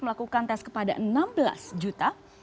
melakukan tes kepada enam belas juta